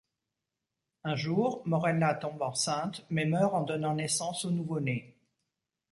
Un jour, Morella tombe enceinte, mais meurt en donnant naissance au nouveau-né.